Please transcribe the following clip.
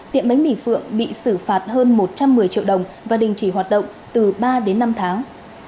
tiệm bánh mì phượng bị xử phạt hơn một trăm một mươi triệu đồng và đình chỉ hoạt động từ ba đến năm tháng